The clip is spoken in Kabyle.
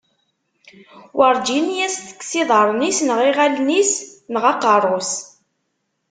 Werǧin i as-tekkes iḍarren-is, neɣ iɣallen-is, neɣ aqerru-s.